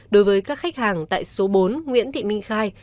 đối với các khách hàng tại số bốn nguyễn thị minh khai